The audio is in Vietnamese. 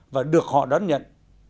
và được họ đón nhận